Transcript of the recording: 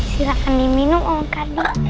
silahkan diminum om karno